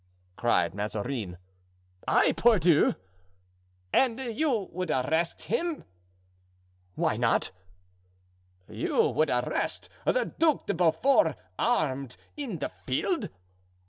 cried Mazarin. "I, pardieu!" "And you would arrest him?" "Why not?" "You would arrest the Duc de Beaufort, armed, in the field?"